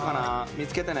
見つけてね。